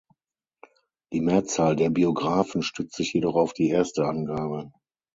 Die Mehrzahl der Biografien stützt sich jedoch auf die erste Angabe.